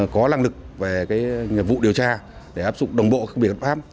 có lăng lực về cái vụ điều tra để áp dụng đồng bộ các việc pháp